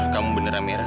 kamu beneran mira